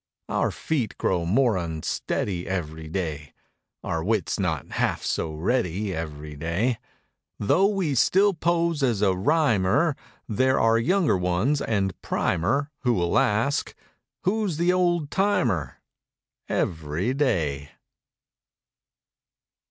Our feet grow more unsteady Every day; Our wit's not half so ready Every day; Though we still pose as a rhymer There are younger ones and primer Who'll ask: "Who's the old timer?" Every day.